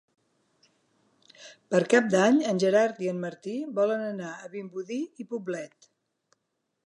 Per Cap d'Any en Gerard i en Martí volen anar a Vimbodí i Poblet.